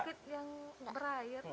sakit yang berair